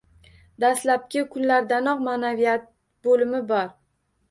Dastlabki kunlardanoq ma’naviyat bo’limi bor.